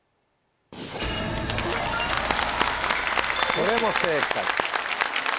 これも正解。